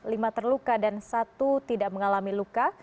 lima terluka dan satu tidak mengalami luka